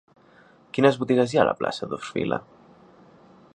Quines botigues hi ha a la plaça d'Orfila?